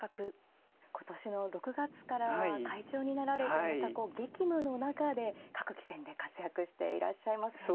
今年の６月からは会長になられてまたこう激務の中で各棋戦で活躍していらっしゃいますよね。